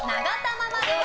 ママです。